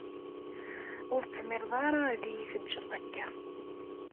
Ur tezmiṛeḍ ara ad iyi-teǧǧeḍ akka.